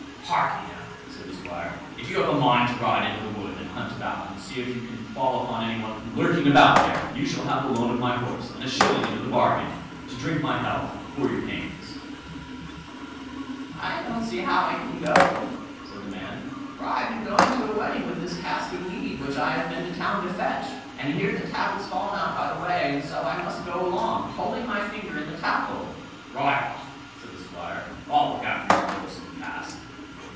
"Harkye, now", said the Squire, "if you have a mind to ride into the wood, and hunt about and see if you can fall upon any one lurking about there, you shall have the loan of my horse, and a shilling into the bargain, to drink my health, for your pains." "I don't see how I can go", said the man, "for I am going to a wedding with this cask of mead, which I have been to town to fetch, and here the tap has fallen out by the way, and so I must go along, holding my finger in the taphole." "Ride off", said the Squire; "I'll look after your horse and cask."